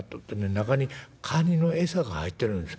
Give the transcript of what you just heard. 中にカニの餌が入ってるんです」。